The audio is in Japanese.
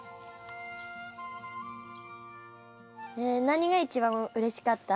何が一番うれしかった？